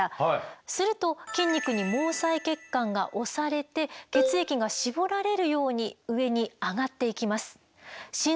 すると筋肉に毛細血管が押されて血液が絞られるように上に上がっていきます。